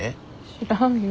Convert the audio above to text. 知らんよ。